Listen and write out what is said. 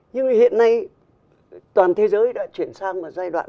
nhưng hiện nay toàn thế giới đã chuyển sang một giai đoạn hoàn toàn